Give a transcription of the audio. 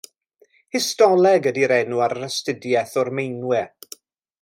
Histoleg ydy'r enw ar yr astudiaeth o'r meinwe.